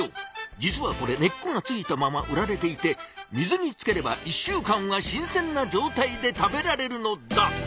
実はこれ根っこが付いたまま売られていて水につければ１週間は新鮮な状態で食べられるのだ！